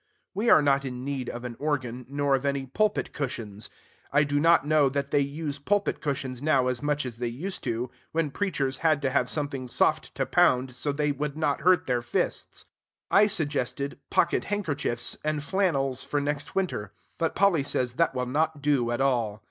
We are not in need of an organ, nor of any pulpit cushions. I do not know that they use pulpit cushions now as much as they used to, when preachers had to have something soft to pound, so that they would not hurt their fists. I suggested pocket handkerchiefs, and flannels for next winter. But Polly says that will not do at all.